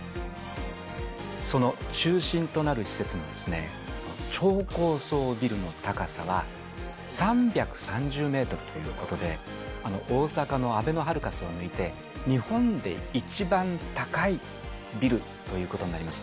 その中心となる施設の超高層ビルの高さは、３３０メートルということで、大阪のあべのハルカスを抜いて、日本で一番高いビルということになります。